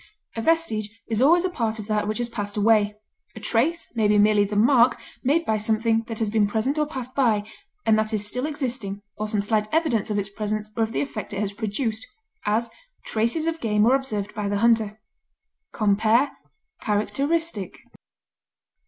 A vestige is always a part of that which has passed away; a trace may be merely the mark made by something that has been present or passed by, and that is still existing, or some slight evidence of its presence or of the effect it has produced; as, traces of game were observed by the hunter. Compare CHARACTERISTIC.